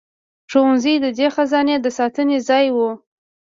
ښوونځي د دې خزانې د ساتنې ځای وو.